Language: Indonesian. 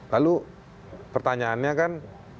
lalu pertanyaannya kan